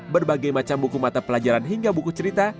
berbagai macam buku mata pelajaran hingga buku cerita